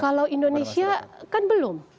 kalau indonesia kan belum